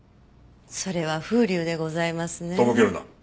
それは風流でございますね。とぼけるな。